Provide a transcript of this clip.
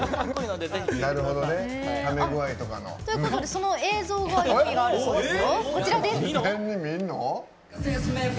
その映像があるそうですよ。